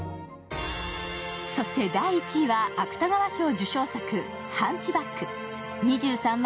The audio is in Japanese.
そして第１位は芥川賞受賞作「ハンチバック」。２３万